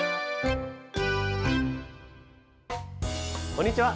こんにちは。